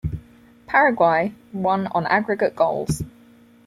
Paraguay won on aggregate goals.